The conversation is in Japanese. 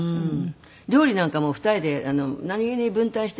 料理なんかも２人で何げに分担して作って。